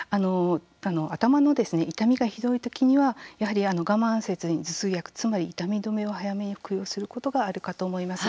頭の痛みがひどいときには我慢せずに、頭痛薬つまり痛み止めを早めに服用することがあるかと思います。